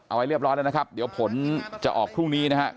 เอาไว้เรียบร้อยแล้วนะครับเดี๋ยวผลจะออกพรุ่งนี้นะฮะ